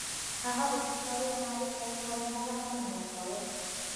هغه به د سکارو مالک ته یوه اندازه غنم ورکول